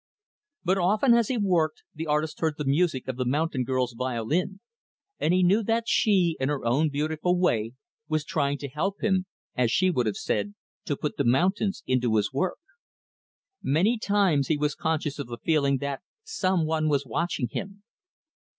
But often, as he worked, the artist heard the music of the mountain girl's violin; and he knew that she, in her own beautiful way, was trying to help him as she would have said to put the mountains into his work. Many times, he was conscious of the feeling that some one was watching him.